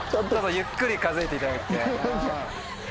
ゆっくり数えていただいて。